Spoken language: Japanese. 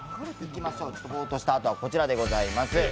ぼーっとしたあとはこちらでございます。